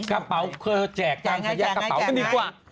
กระเป๋าแจกตามสัญญากระเป๋ากันดีกว่า